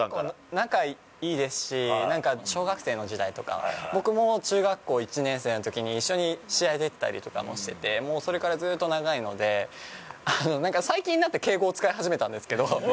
仲いいですし、なんか小学生の時代とか、僕も中学校１年生のときに一緒に試合出てたりとかもしてて、もうそれからずっと長いので、なんか最近になって敬語を使い始めたんですけど。